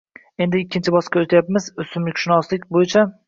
Endi ikkinchi bosqichga o‘tyapmiz – o‘simlikshunoslik bo‘yicha